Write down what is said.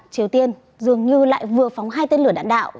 triều tiên dường như lại vừa phóng hai tên lửa đạn đạo